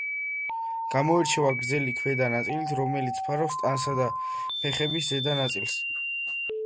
გამოირჩევა გრძელი ქვედა ნაწილით, რომელიც ფარავს ტანსა და ფეხების ზედა ნაწილს.